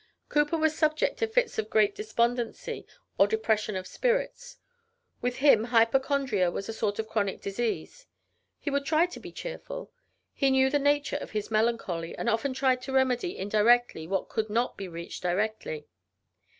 Cowper was subject to fits of great despondency, or depression of spirits. With him hypochondria was a sort of chronic disease. He would try to be cheerful. He knew the nature of his melancholy, and often tried to remedy indirectly what could not be reached directly.